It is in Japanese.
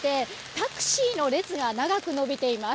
タクシーの列が長く延びています。